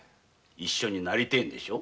一緒になりてぇんでしょ。